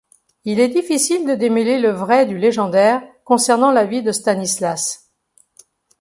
Il est difficile de démêler le vrai du légendaire concernant la vie de Stanislas.